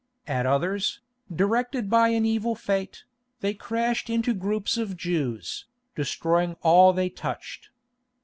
At others, directed by an evil fate, they crashed into groups of Jews, destroying all they touched.